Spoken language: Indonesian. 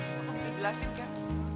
kamu bisa jelasin ken